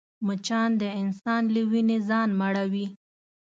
مچان د انسان له وینې ځان مړوي